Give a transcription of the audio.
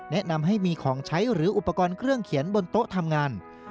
แนะนำให้มีของใช้หรืออุปกรณ์เครื่องเขียนบนโต๊ะทำงาน